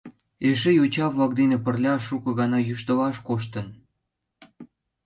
Эше йоча-влак дене пырля шуко гана йӱштылаш коштын.